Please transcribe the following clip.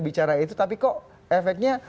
bicara itu tapi kok efeknya